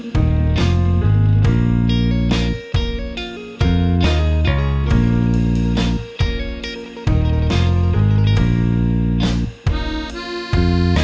โปรดติดตามที่๓มส